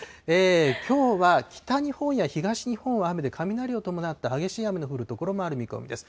きょうは、北日本や東日本は雨で雷を伴った激しい雨の降る所もある見込みです。